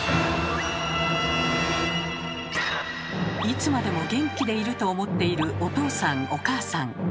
いつまでも元気でいると思っているお父さんお母さん。